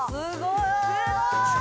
すごーい！